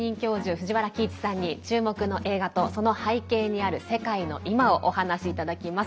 藤原帰一さんに注目の映画と、その背景にある世界の今をお話いただきます。